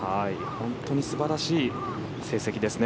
本当に素晴らしい成績ですね。